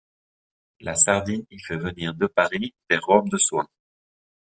La sardine y fait venir de Paris des robes de soie.